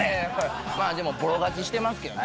まあでもぼろ勝ちしてますけどね。